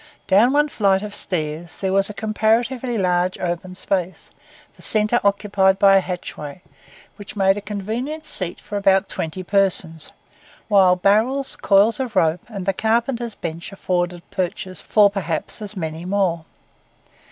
Down one flight of stairs there was a comparatively large open space, the centre occupied by a hatchway, which made a convenient seat for about twenty persons, while barrels, coils of rope, and the carpenter's bench afforded perches for perhaps as many more.